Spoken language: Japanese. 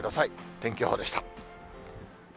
天気予報でした。